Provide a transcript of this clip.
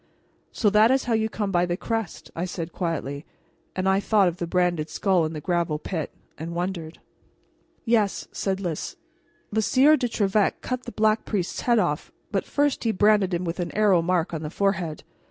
"So that is how you come by the crest," I said quietly; but I thought of the branded skull in the gravel pit, and wondered. "Yes," said Lys. "The Sieur de Trevec cut the Black Priest's head off, but first he branded him with an arrow mark on the forehead.